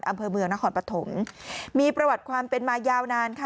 อำเภอเมืองนครปฐมมีประวัติความเป็นมายาวนานค่ะ